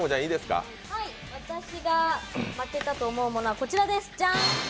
私が負けたと思うものはこちらです。